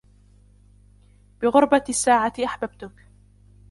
بغربةِ الساعة أحببتك